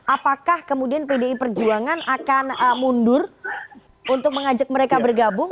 apakah kemudian pdi perjuangan akan mundur untuk mengajak mereka bergabung